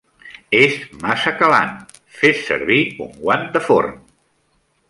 És massa calant! Fes servir un guant de forn!